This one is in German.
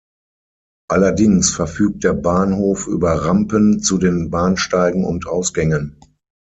Allerdings verfügt der Bahnhof über Rampen zu den Bahnsteigen und Ausgängen.